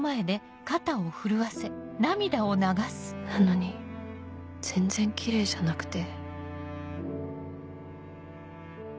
なのに全然キレイじゃなくて。